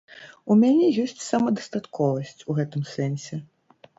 У мяне ёсць самадастатковасць у гэтым сэнсе.